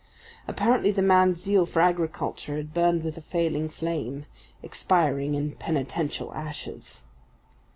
Apparently the man's zeal for agriculture had burned with a failing flame, expiring in penitential ashes.